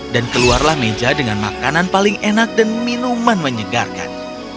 dan keluarlah meja dengan makanan paling enak dan minuman menyegarkan